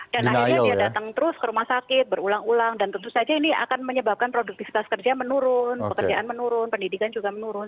dan akhirnya dia datang terus ke rumah sakit berulang ulang dan tentu saja ini akan menyebabkan produktivitas kerja menurun pekerjaan menurun pendidikan juga menurun